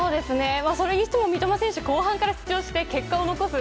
それにしても三笘選手後半から出場して結果を残す。